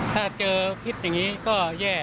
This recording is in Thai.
ถ้าเจอพิษอย่างนี้ก็แย่